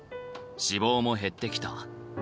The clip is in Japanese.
脂肪も減ってきた。